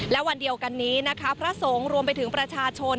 และวันเดียวกันนี้นะคะพระสงฆ์รวมไปถึงประชาชน